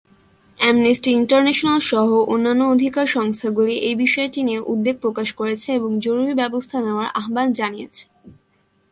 Amnesty International সহ অন্যান্য অধিকার সংস্থাগুলি এই বিষয়টি নিয়ে উদ্বেগ প্রকাশ করেছে এবং জরুরি ব্যবস্থা নেওয়ার আহ্বান জানিয়েছে।